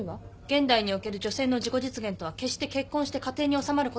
現代における女性の自己実現とは決して結婚して家庭に収まることだけが。